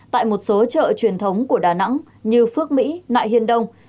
tại một số chợ truyền thống của đà nẵng như phước mỹ nại hiên đông